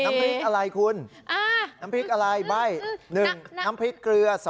น้ำพริกอะไรคุณน้ำพริกอะไรใบ้๑น้ำพริกเกลือ